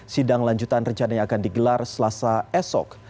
sidang lanjutan rencana yang akan digelar selasa esok